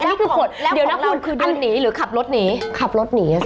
แล้วของเราคือเดินหนีหรือขับรถหนีคุณพูดเดี๋ยวนะคุณ